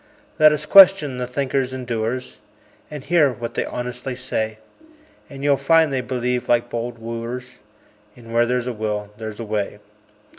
Let us question the thinkers and doers, And hear what they honestly say; And you'll find they believe, like bold wooers, In "Where there's a will there's a way."